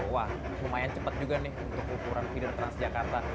wah lumayan cepat juga nih untuk ukuran feeder transjakarta